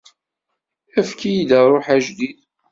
Efk-iyi-d ṛṛuḥ ajdid.